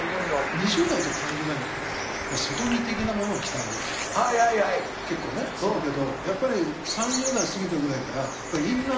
２０代とか３０代のころって外見的なものを鍛えようとかさ結構ねするけどやっぱり３０代過ぎたぐらいからインナーマッスルとか。